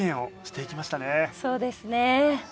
そうですね。